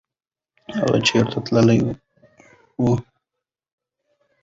هغه چېرته تللی و؟